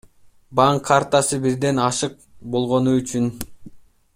Банк картасы бирден ашык болгону үчүн.